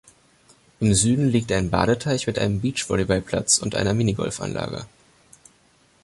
Im Süden liegt ein Badeteich mit einem Beachvolleyballplatz und einer Minigolfanlage.